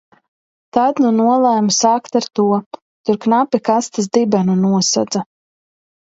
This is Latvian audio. Tad nu nolēmu sākt ar to. Tur knapi kastes dibenu nosedza.